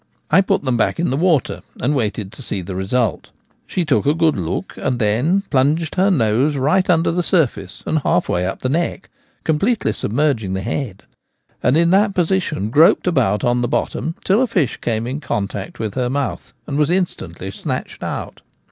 I put them back into the water, and waited to see* the result She took a good look, and then plunged her nose right under the surface and half way up the neck completely submerging the head, and in that position groped about on the bottom till a fish came in contact with her mouth and was instantly snatched out.